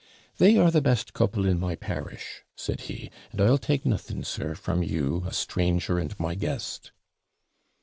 'They are the best couple in my parish,' said he; 'and I'll take nothing, sir, from you, a stranger and my guest.'